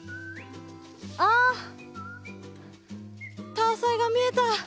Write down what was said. タアサイが見えた！